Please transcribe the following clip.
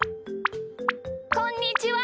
こんにちは。